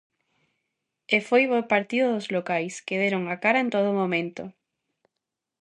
E foi bo partido dos locais, que deron a cara en todo momento.